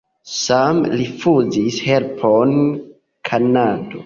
Same rifuzis helpon Kanado.